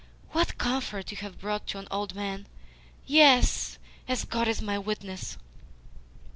"What comfort you have brought to an old man! Yes, as God is my witness!"